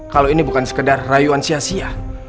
kalau ini bukan sekedar rayuan sia sia